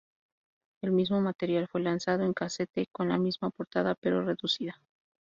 El mismo material fue lanzado en casete con la misma portada pero reducida.